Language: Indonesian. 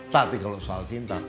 tapi kalau soal cinta